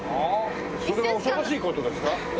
それは恐ろしい事ですか？